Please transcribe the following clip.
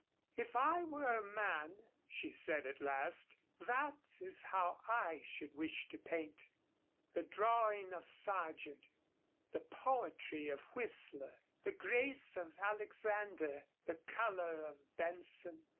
"If I were a man," she said at last, "that is how I should wish to paint, the drawing of Sargent, the poetry of Whistler, the grace of Alexander, the color of Benson.